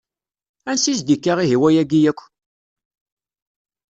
Ansi i s-d-ikka ihi wayagi akk?